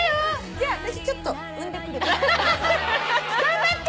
じゃあ私ちょっと産んでくるから。頑張って！